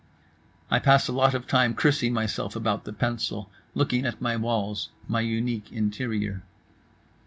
I pass a lot of time cursing myself about the pencil, looking at my walls, my unique interior.